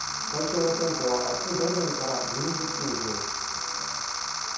対象の店舗は明日午前から臨時休業します。